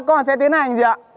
con có sợ không